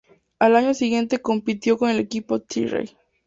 Al año siguiente compitió con el equipo Tyrrell.